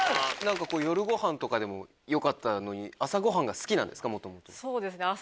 夜ごはんでもよかったのに朝ごはんが好きなんですか？